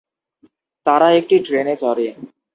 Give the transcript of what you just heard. তারা একটি ট্রেনে চড়ে।